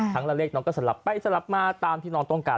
ละเลขน้องก็สลับไปสลับมาตามที่น้องต้องการ